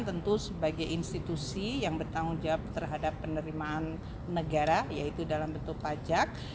tentu sebagai institusi yang bertanggung jawab terhadap penerimaan negara yaitu dalam bentuk pajak